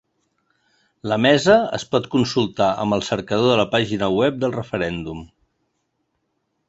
La mesa es pot consultar amb el cercador de la pàgina web del referèndum.